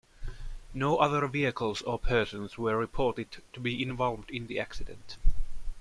No other vehicles or persons were reported to be involved in the accident.